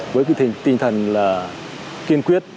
với cái tinh thần kiên quyết đối tranh với tội phạm ma túy